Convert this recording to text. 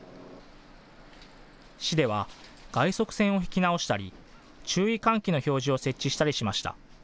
市では外側線を引き直したり注意喚起の標示を設置したりしました。